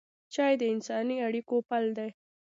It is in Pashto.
چای د انساني اړیکو پل دی.